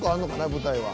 舞台は。